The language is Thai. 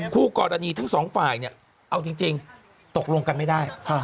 คู่กรณีทั้งสองฝ่ายเนี่ยเอาจริงตกลงกันไม่ได้